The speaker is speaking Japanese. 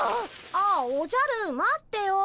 ああおじゃる待ってよ。